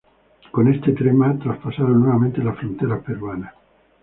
Con este tema traspasaron nuevamente las fronteras peruanas.